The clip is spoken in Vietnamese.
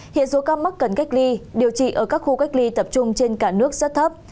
hiện số ca mắc cần cách ly điều trị ở các khu cách ly tập trung trên cả nước rất thấp